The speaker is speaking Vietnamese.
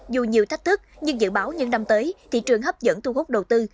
dù nhiều thách thức nhưng dự báo những năm tới thị trường hấp dẫn thu hút đầu tư